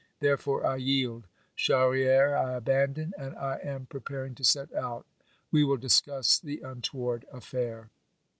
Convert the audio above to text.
Therefore I yield; Charrieres I abandon, and I am pre paring to set out. We will discuss the untoward affair.